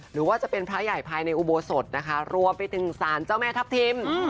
หรือว่าจะเป็นพระใหญ่ภายในอุโบสถนะคะรวมไปถึงสารเจ้าแม่ทัพทิม